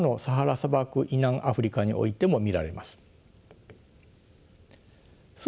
砂漠以南アフリカにおいても見られます。